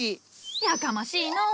やかましいのう。